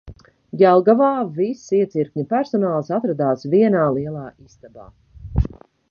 Jelgavā viss iecirkņa personāls atradās vienā lielā istabā.